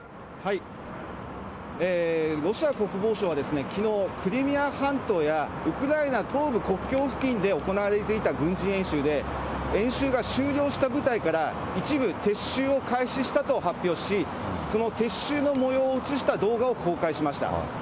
ロシア国防省はきのう、クリミア半島やウクライナ東部国境付近で行われていた軍事演習で、演習が終了した部隊から一部撤収を開始したと発表し、その撤収のもようを写した動画を公開しました。